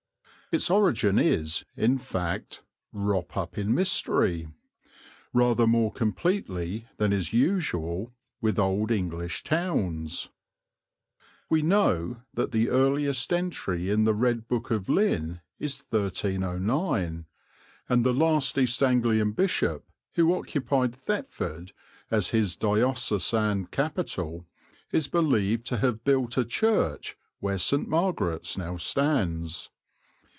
Its origin is, in fact, "wrop up in mystery" rather more completely than is usual with old English towns. We know that the earliest entry in the Red Book of Lynn is 1309, and the last East Anglian bishop who occupied Thetford as his diocesan capital is believed to have built a church where St. Margaret's now stands.